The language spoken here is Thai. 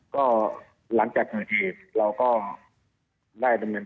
ก็หลังจากเราจะเราก็